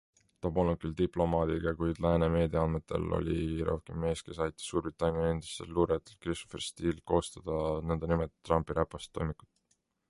Ta polnud küll diplomaadiga, kuid lääne meedia andmetel oli Jerovinkin mees, kes aitas Suurbritannia endisel luurajal Christopher Steele'il koostada nõndanimetatud Trumpi räpast toimikut.